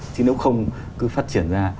chứ nếu không cứ phát triển ra